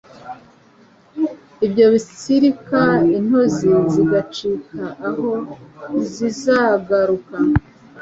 Ibyo bitsirika intozi zigacika aho, ntizizagaruka